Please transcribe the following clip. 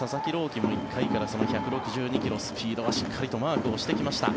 希も１回から１６２ｋｍスピードはしっかりとマークしてきました。